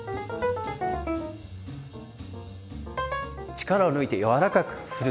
力を抜いて柔らかく振る。